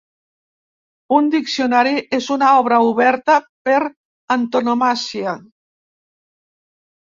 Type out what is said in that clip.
Un diccionari és una obra oberta per antonomàsia.